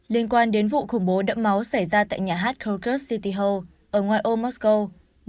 liên quan đến vụ khủng bố đẫm máu xảy ra tại nhà hát krogus city hall ở ngoài ô mosco